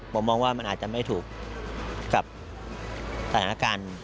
ผมมองว่ามันอาจจะไม่ถูกกับสถานการณ์